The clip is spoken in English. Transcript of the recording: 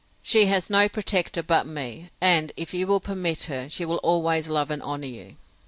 She has no protector but me; and, if you will permit her, she will always love and honour you.